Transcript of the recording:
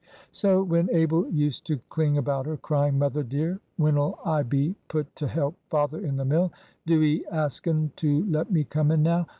So, when Abel used to cling about her, crying, "Mother dear, when'll I be put t'help father in the mill? Do 'ee ask un to let me come in now!